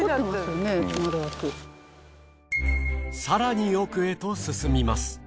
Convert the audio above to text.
更に奥へと進みます。